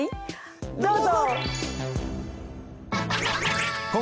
どうぞ！